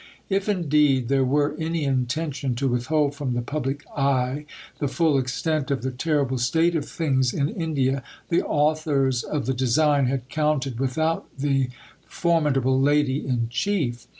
If indeed there were any intention to withhold from the public eye the full extent of the terrible state of things in India, the authors of the design had counted without the formidable Lady in Chief.